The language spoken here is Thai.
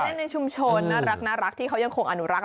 ในชุมชนน่ารักที่เขายังคงอนุรักษ์